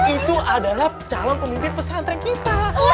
itu adalah calon pemimpin pesantren kita